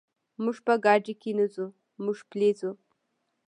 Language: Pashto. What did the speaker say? موږ په ګاډي کې نه ځو، موږ پلي ځو.